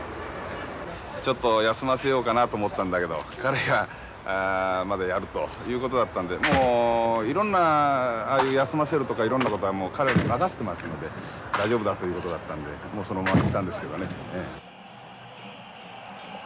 ちょっと休ませようかなと思ったんだけど彼がまだやるということだったんでもういろんなああいう休ませるとかいろんなことはもう彼に任せてますので大丈夫だということだったんでもうそのままにしたんですけどね。